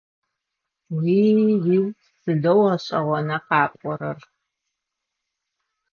Уи-уиу! Сыдэу гъэшӏэгъона къапӏорэр!